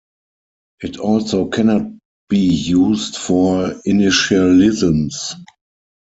It also cannot be used for initialisms.